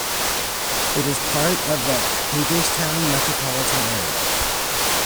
It is a part of the Hagerstown Metropolitan Area.